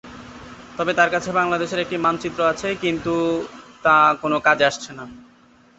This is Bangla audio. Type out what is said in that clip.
তবে তার কাছে বাংলাদেশের একটা মানচিত্র আছে কিন্তু তা কোন কাজে আসছে না।